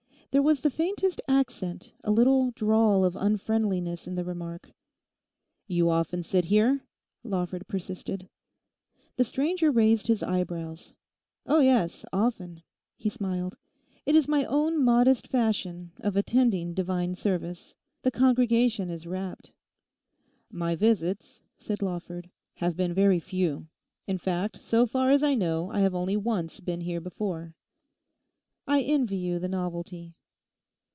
There was the faintest accent, a little drawl of unfriendliness in the remark. 'You often sit here?' Lawford persisted. The stranger raised his eyebrows. 'Oh yes, often.' He smiled. 'It is my own modest fashion of attending divine service. The congregation is rapt.' 'My visits,' said Lawford, 'have been very few—in fact, so far as I know, I have only once been here before.' 'I envy you the novelty.